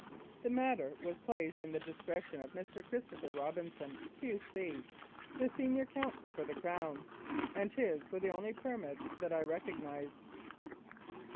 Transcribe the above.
The matter was placed in the discretion of Mr. Christopher Robinson, Q.C., the senior counsel for the Crown, and his were the only "permits" that I recognised.